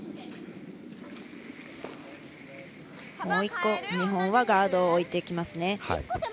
もう１個、日本はガードを置いてきます。